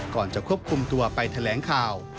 ก่อนจะควบคุมตัวไปแถลงข่าว